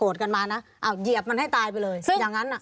กันมานะอ้าวเหยียบมันให้ตายไปเลยอย่างนั้นอ่ะ